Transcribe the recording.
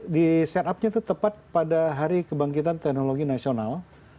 di set up nya itu tepat pada hari kebangkitan teknologi nasional